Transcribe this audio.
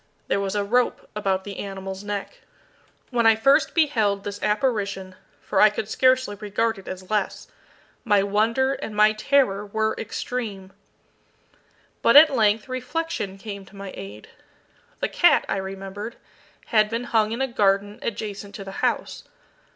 There was a rope about the animal's neck. When I first beheld this apparition for I could scarcely regard it as less my wonder and my terror were extreme. But at length reflection came to my aid. The cat, I remembered, had been hung in a garden adjacent to the house.